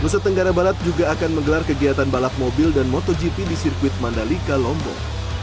nusa tenggara barat juga akan menggelar kegiatan balap mobil dan motogp di sirkuit mandalika lombok